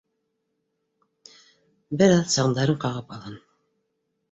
Бер аҙ саңдарын ҡағып алһын.